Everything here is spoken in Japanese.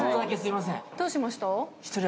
どうしました？